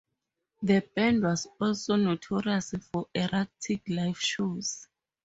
The band was also notorious for erratic live shows.